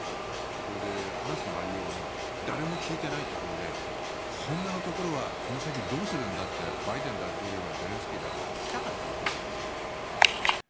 それで話す内容も誰も聞いていないところで本音のところはこの先どうするんだってバイデン大統領がゼレンスキー大統領に聞きたかったんだと思うんです。